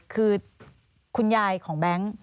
คือคุณยายของแบงค์